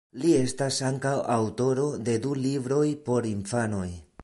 Li estas ankaŭ aŭtoro de du libroj por infanoj.